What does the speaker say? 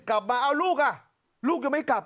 กลับมาเอ้าลูกอ่ะลูกยังไม่กลับ